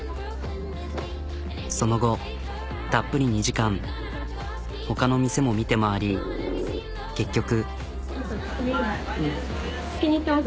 その後たっぷり２時間ほかの店も見て回り結局。